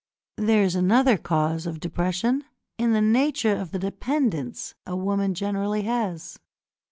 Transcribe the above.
There is another cause of depression, in the nature of the "dependents" a woman generally has.